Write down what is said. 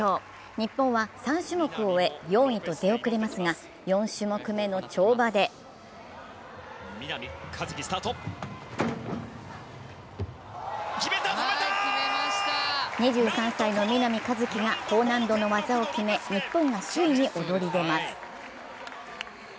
日本は３種目を終え、４位と出遅れますが４種目目の跳馬で２３歳の南一輝が高難度の技を決め、日本が首位に躍り出ます。